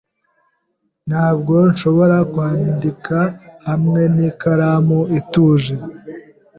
Ntabwo nshobora kwandika hamwe n'ikaramu ituje.